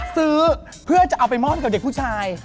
ซื้อเพื่อจะเอาไปมอบให้กับเด็กผู้ชาย